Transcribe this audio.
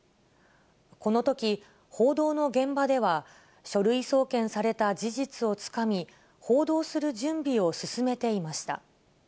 このとき、報道の現場では、書類送検された事実をつかみ、報道する準備を進めていました。